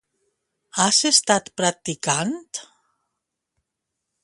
Has estat practicant?